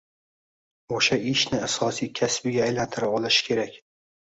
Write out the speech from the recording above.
Oʻsha ishni asosiy kasbiga aylantira olishi kerak.